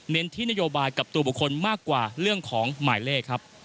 ที่นโยบายกับตัวบุคคลมากกว่าเรื่องของหมายเลขครับ